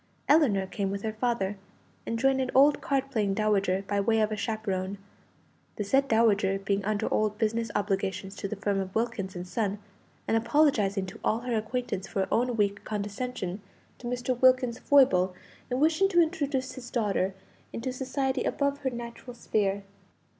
Ellinor came with her father, and joined an old card playing dowager, by way of a chaperone the said dowager being under old business obligations to the firm of Wilkins and Son, and apologizing to all her acquaintances for her own weak condescension to Mr. Wilkins's foible in wishing to introduce his daughter into society above her natural sphere.